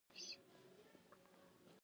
تالابونه د افغانستان د شنو سیمو ښکلا ده.